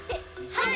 はい！